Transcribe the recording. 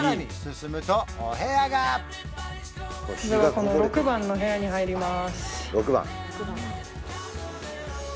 この６番の部屋に入ります